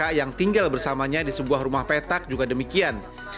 mereka yang tinggal bersamanya di sebuah rumah petak juga demikian